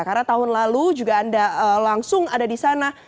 karena tahun lalu juga anda langsung ada di sana